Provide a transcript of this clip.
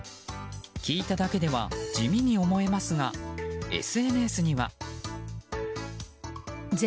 聞いただけでは地味に思えますがＳＮＳには。